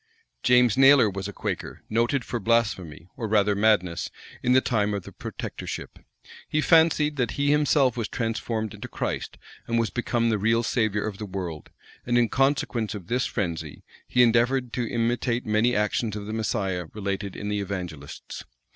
James Naylor was a Quaker, noted for blasphemy, or rather madness, in the time of the protectorship. He fancied, that he himself was transformed into Christ, and was become the real savior of the world; and in consequence of this frenzy, he endeavored to imitate many actions of the Messiah related in the evangelists.